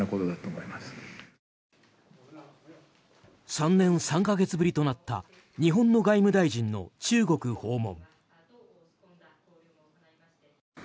３年３か月ぶりとなった日本の外務大臣の中国訪問。